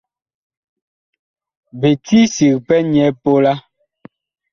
Bi ti sig pɛ nyɛ pola.